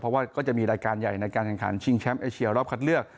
เพราะว่าก็จะมีรายการใหญ่ในการแข่งขันชิงแชมป์เอเชียรอบคัดเลือก